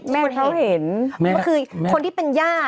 มันคือคนที่เป็นย่า